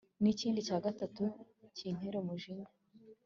n'ikindi cya gatatu kintera umujinya